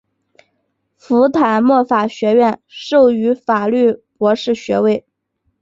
福坦莫法学院授予法律博士学位。